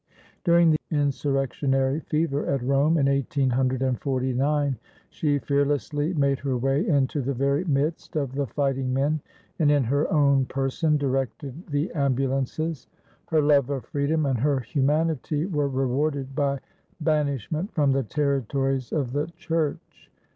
During the insurrectionary fever at Rome, in 1849, she fearlessly made her way into the very midst of the fighting men, and in her own person directed the ambulances. Her love of freedom and her humanity were rewarded by banishment from the territories of the Church.